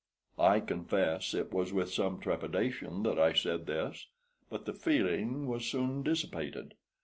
I confess it was with some trepidation that I said this, but the feeling was soon dissipated.